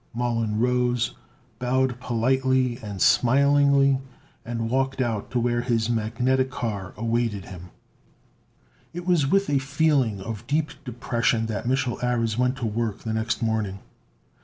Mollon rose, bowed politely and smilingly, and walked out to where his magnetic car awaited him. It was with a feeling of deep depression that Mich'l Ares went to work the next morning.